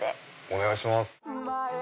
お願いします。